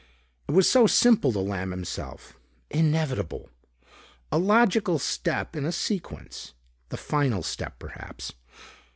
It was so simple to Lamb himself. Inevitable. A logical step in a sequence. The final step, perhaps.